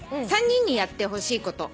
「３人にやってほしいこと。